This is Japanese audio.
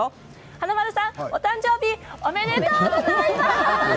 華丸さん、お誕生日おめでとうございます！